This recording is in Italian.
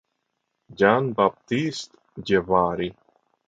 Jean-Baptiste Djebbari